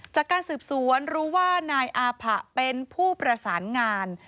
จากการสืบสวนรู้ว่านายอาผะเป็นผู้ประสานงาน